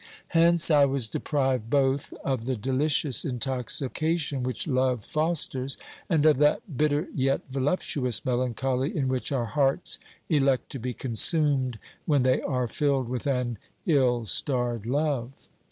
Hence I OBERMANN 383 was deprived both of the delicious intoxication which love fosters, and of that bitter yet voluptuous melancholy in which our hearts elect to be consumed when they are filled with an ill starred love.